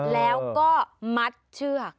แล้วก็มัดเชือก